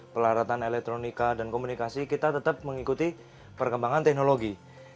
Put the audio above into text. pelaratan elektronika dan komunikasi kita tetap mengikuti perkembangan teknologi